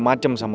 ntar lo juga tau